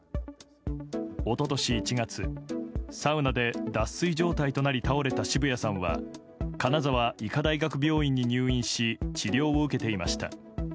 一昨年１月サウナで脱水症状となり倒れた澁谷さんは金沢医科大学病院に入院し治療を受けていました。